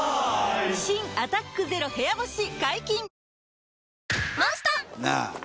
新「アタックＺＥＲＯ部屋干し」解禁‼